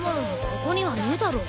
ここにはねえだろ。